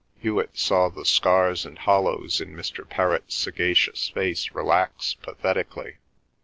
Hewet saw the scars and hollows in Mr. Perrott's sagacious face relax pathetically.